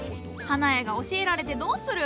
花屋が教えられてどうする。